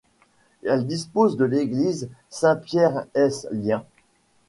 Elle dispose de l'église Saint-Pierre-ès-Liens.